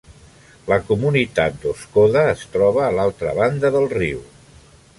La comunitat d'Oscoda es troba a l'altra banda del riu.